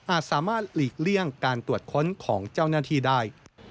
สามารถหลีกเลี่ยงการตรวจค้นของเจ้าหน้าที่ได้